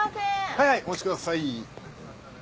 はいはいお待ちください。